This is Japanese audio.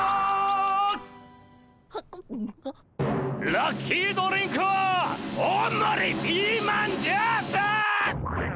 ラッキードリンクは大盛りピーマンジュース！